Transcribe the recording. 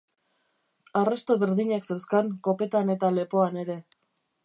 Arrasto berdinak zeuzkan kopetan eta lepoan ere.